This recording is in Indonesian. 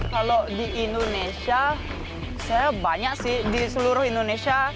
kalau di indonesia saya banyak sih di seluruh indonesia